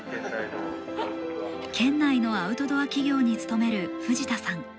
県内のアウトドア企業に勤める藤田さん。